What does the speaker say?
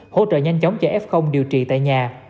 hỗ trợ nhanh chóng cho f điều trị tại nhà